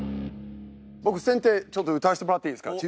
僕先手ちょっと打たせてもらっていいですか？